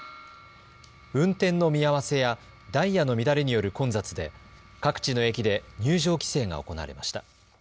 運転の見合わせやダイヤの乱れによる混雑で各地の駅で入場規制が行われました。